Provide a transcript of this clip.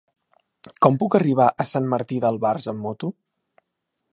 Com puc arribar a Sant Martí d'Albars amb moto?